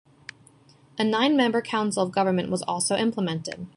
A nine-member council of government was also implemented.